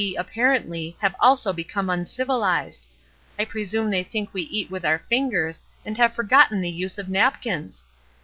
apparently, have also beco]i}^,j^n^vyized. I presume th^ think we eat with our fingers and have forgotten the use of napkins.